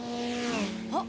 あっ！